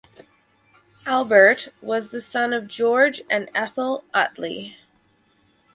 Albert was the son of George and Ethel Uttley.